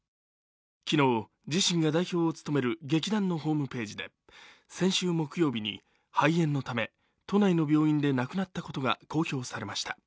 昨日、自身が代表を務める劇団のホームページで先週木曜日に、肺炎のため都内の病院で亡くなったことが公表されました。